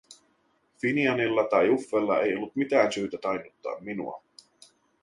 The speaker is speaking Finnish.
Finianilla tai Uffella ei ollut mitään syytä tainnuttaa minua.